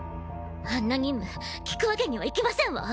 あんな任務聞くわけにはいきませんわ。